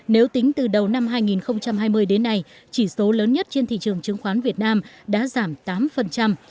nếu tính từ đầu năm hai nghìn hai mươi đến nay chỉ số lớn nhất trên thị trường chứng khoán việt nam đã giảm tám